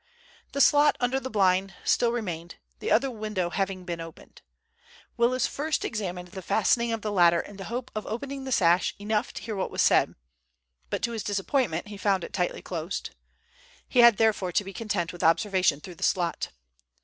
The slot under the blind still remained, the other window having been opened. Willis first examined the fastening of the latter in the hope of opening the sash enough to hear what was said, but to his disappointment he found it tightly closed. He had therefore to be content with observation through the slot.